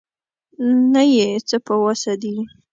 نه یې څه په وسه دي.